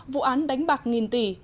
vụ án đánh bạc nghìn tỷ